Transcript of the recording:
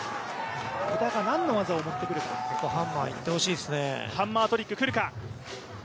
織田がなんの技を持ってくるかハンマーいってほしいですね。